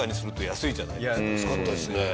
安かったですね。